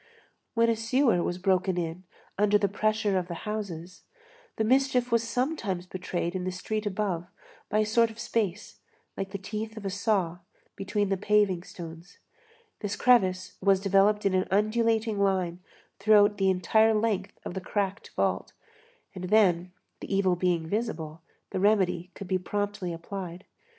When a sewer was broken in under the pressure of the houses, the mischief was sometimes betrayed in the street above by a sort of space, like the teeth of a saw, between the paving stones; this crevice was developed in an undulating line throughout the entire length of the cracked vault, and then, the evil being visible, the remedy could be promptly applied.